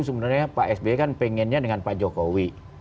sebenarnya pak sby kan pengennya dengan pak jokowi